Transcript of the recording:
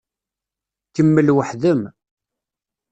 Kemmel weḥd-m.